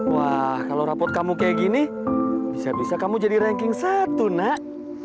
wah kalau rapot kamu kayak gini bisa bisa kamu jadi ranking satu nak